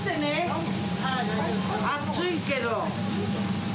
暑いけど。